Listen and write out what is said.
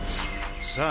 さあ